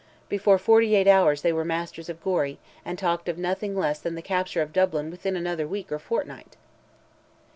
Before forty eight hours they were masters of Gorey, and talked of nothing less than the capture of Dublin within another week or fortnight!